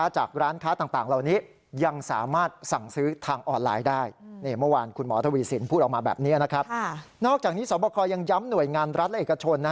นอกจากนี้สอบคอยังย้ำหน่วยงานรัฐและเอกชน